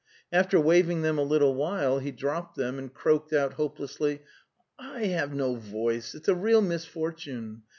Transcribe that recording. After waving them a little while he dropped them, and croaked out hopelessly : 'I have no voice. It's a real misfortune.